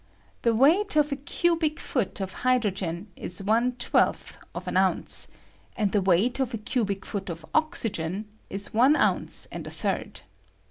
The weight of a cubic foot of hydrogen is one twelfth of an ounce ; and the weight of a cubic foot of » oxygen is one ounce and a third.